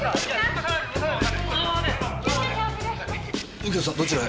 右京さんどちらへ？